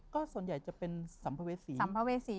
ก็ส่วนใหญ่จะเป็นสรรพเวสี